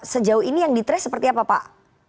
sejauh ini yang ditres seperti apa pak